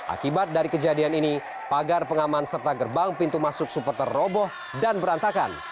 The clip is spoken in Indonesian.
akibat dari kejadian ini pagar pengaman serta gerbang pintu masuk supporter roboh dan berantakan